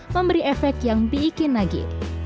memberi efek yang biikin lagi